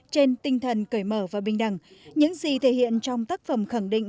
trên tinh thần cởi mở và bình đẳng những gì thể hiện trong tác phẩm khẳng định